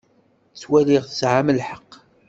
Ttwaliɣ tesɛam lḥeqq.